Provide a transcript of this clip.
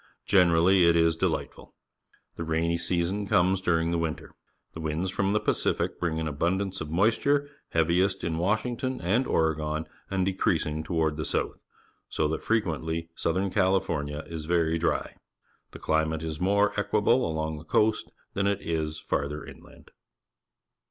Generally it is delightful. TSs" r ainy se ason comes during the winter. THE UNITED STATES 131 The winds from the Pacific Ocean bring an abundance of moisture, heaviest in Washing ton and Oregon and decreasing toward the south, so that frequently Southern California is very dry. The climate is more equable along the coast than it is farther inland.